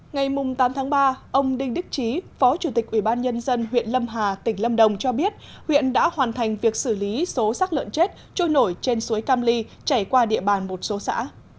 ngày tám tháng ba ông đinh đức trí phó chủ tịch ubnd huyện lâm hà tỉnh lâm đồng cho biết huyện đã hoàn thành việc xử lý số sắc lợn chết trôi nổi trên suối cam ly chảy qua địa bàn một số xã